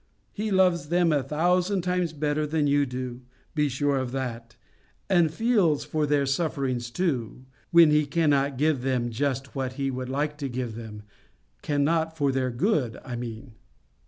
He loves them a thousand times better than you do—be sure of that—and feels for their sufferings too, when He cannot give them just what He would like to give them—cannot for their good, I mean.